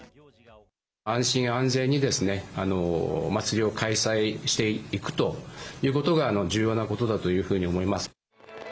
安心安全にですね、祭りを開催していくということが重要なことだというふうに思います。